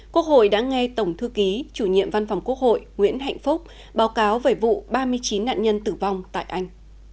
quốc hội đã nghe tổng thư ký chủ nhiệm văn phòng quốc hội nguyễn hạnh phúc báo cáo về vụ ba mươi chín nạn nhân tử vong tại anh